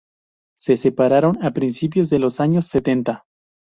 Se separaron a principios de los años setenta.